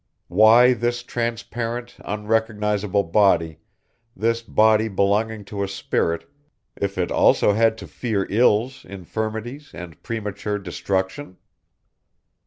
Why this transparent, unrecognizable body, this body belonging to a spirit, if it also had to fear ills, infirmities and premature destruction?